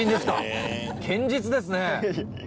堅実ですね！